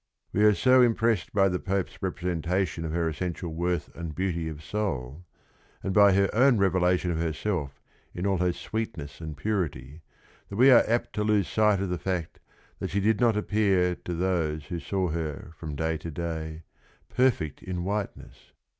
We are so impressed by the Pope's representation of her essential worth and beauty of soul, and by her own revelation of herself in all her sweetness and purity, that we are apt to lose sight of the fact that she did not appear to those who saw her from day to day "perfect in whiteness."